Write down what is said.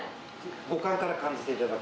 五感から感じていただく。